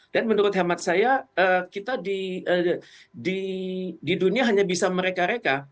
dan menurut hemat saya kita di dunia hanya bisa mereka reka